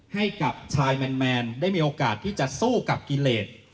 ให้กับชายแมนได้มีโอกาสที่จะสู้กับกิเลส